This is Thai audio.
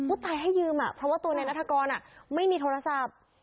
ตายให้ยืมอ่ะเพราะว่าตัวนายนัฐกรไม่มีโทรศัพท์